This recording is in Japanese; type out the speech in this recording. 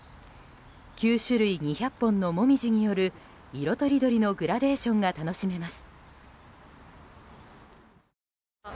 ９種類２００本のモミジによる色とりどりのグラデーションが楽しめます。